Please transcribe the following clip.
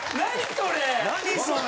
それ！